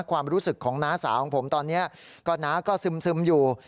ความรู้สึกของน้าสาวของผมตอนนี้ก็น้าก็ซึมอยู่